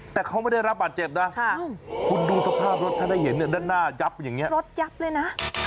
แต่เขาไม่ได้รับบาดเจ็บนะคุณดูสภาพรถถ้าได้เห็นเนี่ยด้านหน้ายับอย่างนี้รถยับเลยนะ